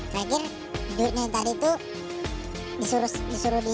terakhir duitnya tadi tuh disuruh dia